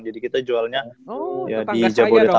jadi kita jualnya di jabodetabek